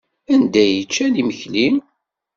Anda ay ččan imekli?